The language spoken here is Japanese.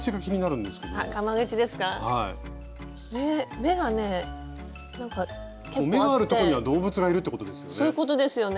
目があるとこには動物がいるってことですよね？